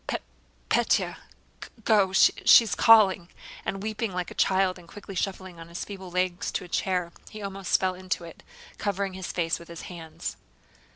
"Pe... Pétya... Go, go, she... is calling..." and weeping like a child and quickly shuffling on his feeble legs to a chair, he almost fell into it, covering his face with his hands.